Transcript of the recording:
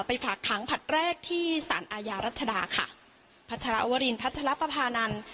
ฝากขังผลัดแรกที่สารอาญารัชดาค่ะพัชรวรินพัชรปภานันทร์